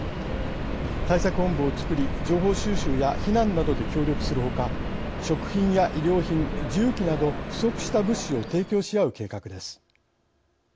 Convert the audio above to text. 対策本部を作り情報収集や避難などで協力する他食品や衣料品、重機など不足した物資を提供しあう計画です。